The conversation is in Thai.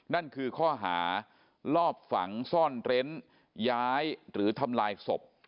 นั่นคือข้อหาลอบฝังซ่อนเร้นย้ายหรือทำลายศพ